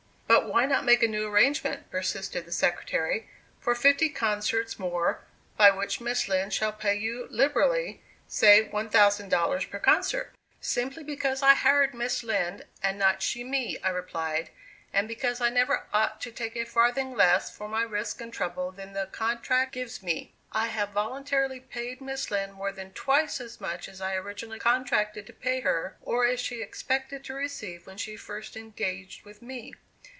"But why not make a new arrangement," persisted the Secretary, "for fifty concerts more, by which Miss Lind shall pay you liberally, say $1,000 per concert?" "Simply because I hired Miss Lind, and not she me," I replied, "and because I never ought to take a farthing less for my risk and trouble than the contract gives me. I have voluntarily paid Miss Lind more than twice as much as I originally contracted to pay her, or as she expected to receive when she first engaged with me.